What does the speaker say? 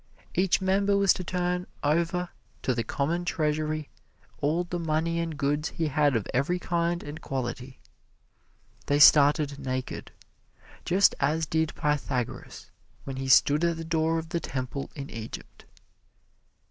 Each member was to turn over to the Common Treasury all the money and goods he had of every kind and quality. They started naked, just as did Pythagoras when he stood at the door of the temple in Egypt.